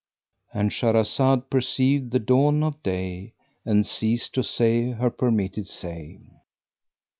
"—And Shahrazad perceived the dawn of day and ceased to say her permitted say.